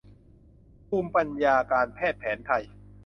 ภูมิปัญญาการแพทย์แผนไทย